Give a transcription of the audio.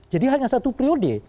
jadi hanya satu priode